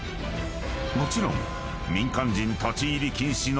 ［もちろん］